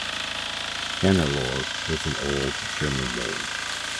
Hannelore is an old German name.